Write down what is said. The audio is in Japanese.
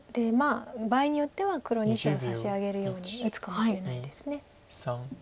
場合によっては黒２子を差し上げるように打つかもしれないです。